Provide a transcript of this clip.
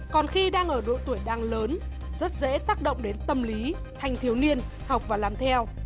còn khi đang ở độ tuổi đang lớn rất dễ tác động đến tâm lý thành thiếu niên học và làm theo